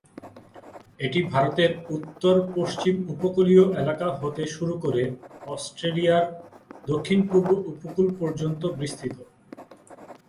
এটি ভারতের উত্তর পশ্চিম উপকূলীয় এলাকা হতে শুরু করে অস্ট্রেলিয়ার দক্ষিণ-পূর্ব উপকূল পর্যন্ত বিস্তৃত।